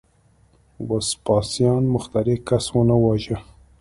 وسپاسیان مخترع کس ونه واژه.